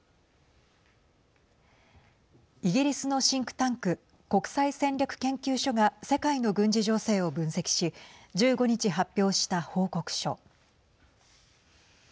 イギリスのシンクタンク国際戦略研究所が世界の軍事情勢を分析し１５日発表した報告書。